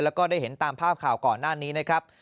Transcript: แล้วก็ได้เห็นตามภาพข่าวก่อนหน้านี้นะครับ